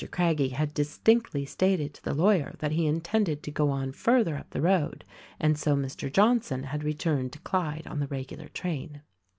Craggie had distinctly stated to the lawyer that he intended to go on further up the road, and so Mr. John son had returned to Clyde on the regular train.